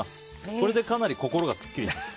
これでかなり心がスッキリします。